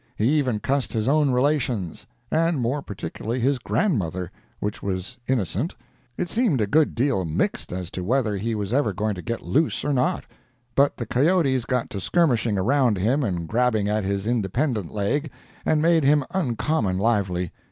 He even cussed his own relations, and more particularly his grandmother, which was innocent. It seemed a good deal mixed as to whether he was ever going to get loose or not; but the coyotes got to skirmishing around him and grabbing at his independent leg, and made him uncommon lively.